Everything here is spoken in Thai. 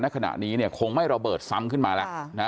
ขณะนี้คงไม่ระเบิดซ้ำขึ้นมาแล้ว